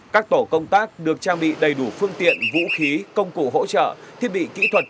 các tổ công tác được trang bị đầy đủ phương tiện vũ khí công cụ hỗ trợ thiết bị kỹ thuật